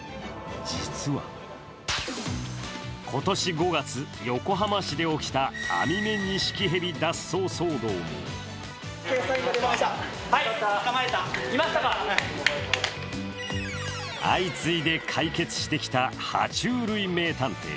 実は今年５月、横浜市で起きたアミメニシキヘビ脱走騒動も相次いで解決してきたは虫類名探偵。